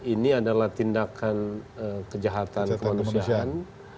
ini adalah tindakan kejahatan kemanusiaan